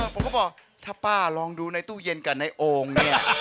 ผมก็บอกถ้าป้าลองดูในตู้เย็นกับในโอ่งเนี่ย